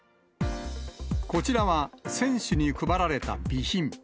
こちらは選手に配られた備品。